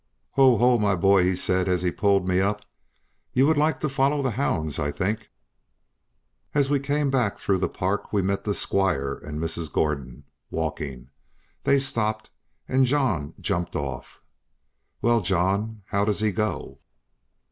"Ho, ho! my boy," he said, as he pulled me up, "you would like to follow the hounds, I think." As we came back through the park we met the squire and Mrs. Gordon walking; they stopped, and John jumped off. "Well, John, how does he go?"